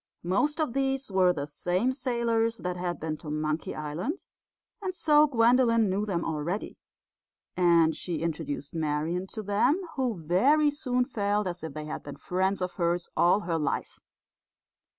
Most of these were the same sailors that had been to Monkey Island, and so Gwendolen knew them already; and she introduced Marian to them, who very soon felt as if they had been friends of hers all her life.